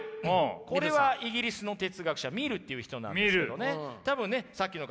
これはイギリスの哲学者ミルっていう人なんですけどね多分ねさっきの方